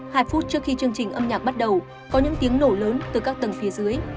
hai phút trước khi chương trình âm nhạc bắt đầu có những tiếng nổ lớn từ các tầng phía dưới